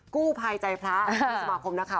กู้ภัยใจพระสมาคมนะคะ